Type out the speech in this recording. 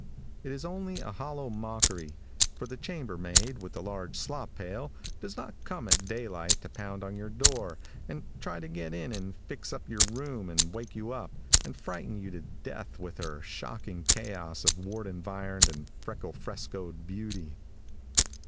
It is only a hollow mockery, for the chamber maid with the large slop pail does not come at daylight to pound on your door, and try to get in and fix up your room, and wake you up, and frighten you to death with her shocking chaos of wart environed and freckle frescoed beauty.